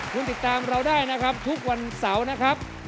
คุณติดตามเราได้นะครับทุกวันเสาร์นะครับ